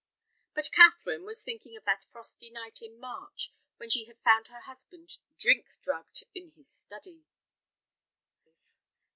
But Catherine was thinking of that frosty night in March when she had found her husband drink drugged in his study.